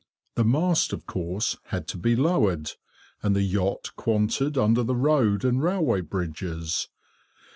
The mast, of course, had to be lowered, and the yacht quanted under the road and railway bridges.